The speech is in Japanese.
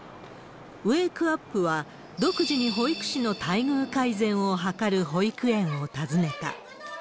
ウェークアップは独自に保育士の待遇改善を図る保育園を訪ねた。